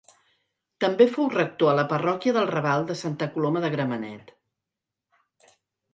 També fou rector a la parròquia del Raval de Santa Coloma de Gramenet.